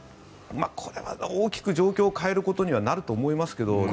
これは大きく状況を変えることにはなると思いますけど。